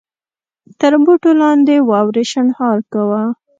تر بوټو لاندې واورې شڼهار کاوه.